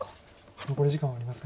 残り時間はありません。